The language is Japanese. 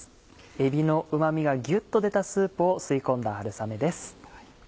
えびのうま味がギュっと出たスープを吸い込んだ春雨です。